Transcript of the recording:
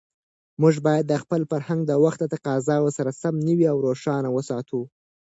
موږ باید خپل فرهنګ د وخت له تقاضاوو سره سم نوی او روښانه وساتو.